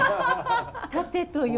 縦と横。